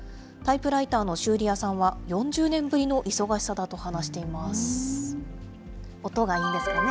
タイプライターの修理屋さんは４０年ぶりの忙しさだと話しています。